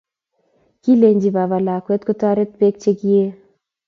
Kilenji baba lakwet kotoret beek chegiie